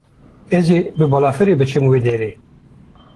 Ez ê bi balafirê biçim wê derê.